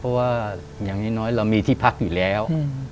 เพราะว่าอย่างน้อยเรามีที่พักอยู่แล้ว